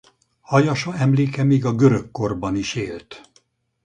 Hajasa emléke még a görög korban is élt.